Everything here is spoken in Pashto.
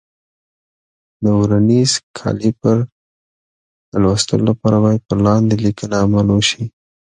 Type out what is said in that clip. د ورنیز کالیپر د لوستلو لپاره باید په لاندې لیکنه عمل وشي.